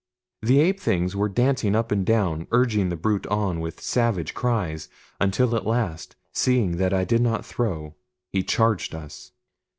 The ape things were dancing up and down urging the brute on with savage cries, until at last, seeing that I did not throw, he charged us.